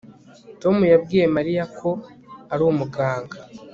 Tom yabwiye Mariya ko ari umuganga